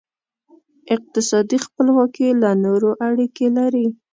اقتصادي خپلواکي له نورو اړیکې لري.